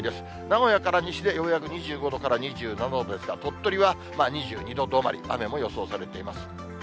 名古屋から西でようやく２５度から２７度ですが、鳥取は２２度止まり、雨も予想されています。